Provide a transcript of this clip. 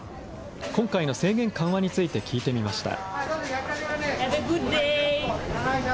今回の制限緩和について聞いてみました。